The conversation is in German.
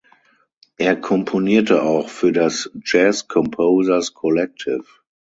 Er komponierte auch für das "Jazz Composers Collective".